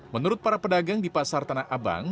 menurut para pedagang di pasar tanah abang